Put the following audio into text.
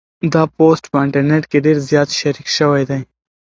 دا پوسټ په انټرنيټ کې ډېر زیات شریک شوی دی.